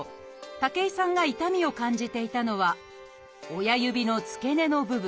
武井さんが痛みを感じていたのは親指の付け根の部分。